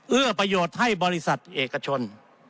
เอื้อประโยชน์ให้บริษัทเอกชน